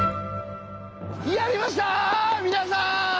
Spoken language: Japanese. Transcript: やりました皆さん！